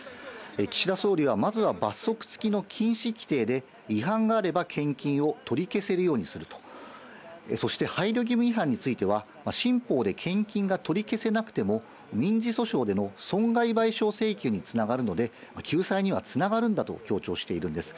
岸田総理はまずは罰則付きの禁止規定で、違反があれば献金を取り消せるようにすると、そして、配慮義務違反については、新法で献金が取り消せなくても、民事訴訟での損害賠償請求につながるので、救済にはつながるんだと強調しているんです。